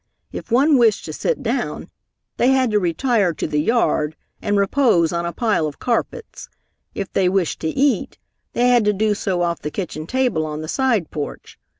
If one wished to sit down, they had to retire to the yard, and repose on a pile of carpets. If they wished to eat, they had to do so off the kitchen table on the side porch.